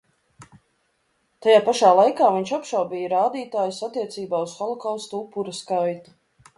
Tajā pašā laikā viņš apšaubīja rādītājus attiecībā uz holokausta upuru skaitu.